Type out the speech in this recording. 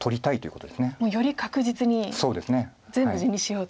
もうより確実に全部地にしようと。